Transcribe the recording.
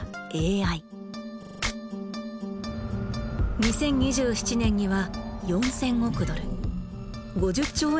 ２０２７年には４，０００億ドル５０兆円